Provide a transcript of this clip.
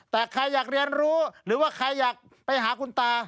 แต่ใครอยากเรียนรู้หรือว่าใครอยากไปหาคุณตา